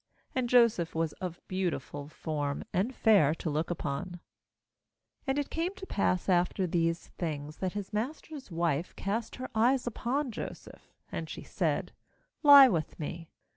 And Joseph was of beautiful form, and fair to look upon, 7 And it came to pass after these things, that his master's wife cast her eyes upon Joseph; and she said: 'Lie with me.'